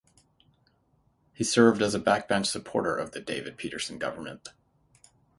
He served as a backbench supporter of the David Peterson government.